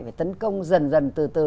phải tấn công dần dần từ từ